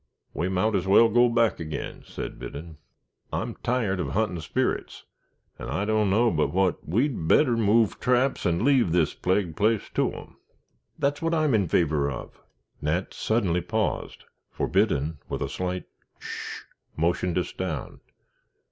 "We mought as well go back agin," said Biddon. "I'm tired of huntin' spirits, and I dunno but what we'd better move traps and leave this plagued place to 'em." "That's what I am in favor of " Nat suddenly paused, for Biddon, with a slight "sh" motioned us down.